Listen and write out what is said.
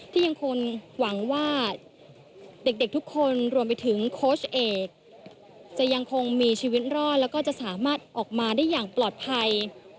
ที่ยังคงหวังว่าเด็กทุกคนรวมไปถึงโค้ชเอกจะยังคงมีชีวิตรอดแล้วก็จะสามารถออกมาได้อย่างปลอดภัย